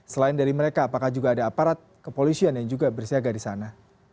selain dari mereka apakah juga ada aparat kepolisian yang juga bersiaga di sana